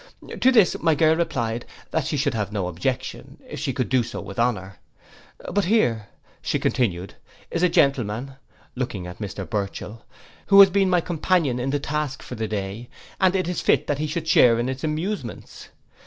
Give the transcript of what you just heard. To this my girl replied, that she should have no objection, if she could do it with honour: 'But here,' continued she, 'is a gentleman,' looking at Mr Burchell, 'who has been my companion in the task for the day, and it is fit he should share in its amusements.